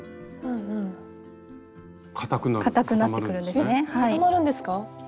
えっ固まるんですか？